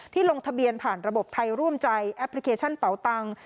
ลงทะเบียนผ่านระบบไทยร่วมใจแอปพลิเคชันเป่าตังค์